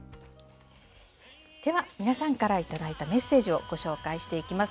では、皆さんから頂いたメッセージをご紹介していきます。